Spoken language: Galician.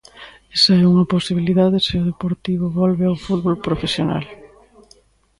Esa é unha posibilidade se o Deportivo volve ao fútbol profesional.